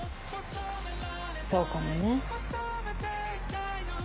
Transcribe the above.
そうかもね。